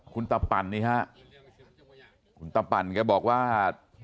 คุณตาปั่นนี่ฮะคุณตาปั่นแกบอกว่า